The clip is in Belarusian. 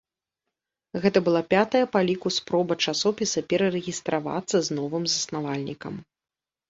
Гэта была пятая па ліку спроба часопіса перарэгістравацца з новым заснавальнікам.